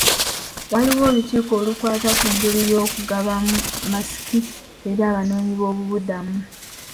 Waaliwo olukiiko olukwata ku ngeri y'okugabamu masiki eri Abanoonyiboobubudamu.